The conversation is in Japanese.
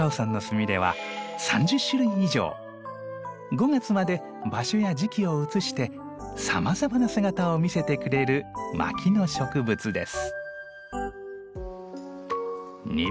５月まで場所や時期を移してさまざまな姿を見せてくれる牧野植物です。